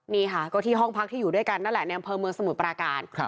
นี่ค่ะก็ที่ห้องพักที่อยู่ด้วยกันนั่นแหละในอำเภอเมืองสมุทรปราการ